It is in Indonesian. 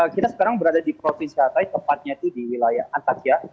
kita sekarang berada di provinsi hatay tepatnya itu di wilayah antakya